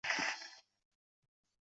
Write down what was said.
同年离任。